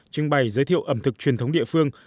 trưng bày giới thiệu ẩm thực truyền thống địa phương